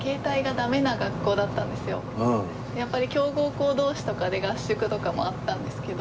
やっぱり強豪校同士とかで合宿とかもあったんですけど。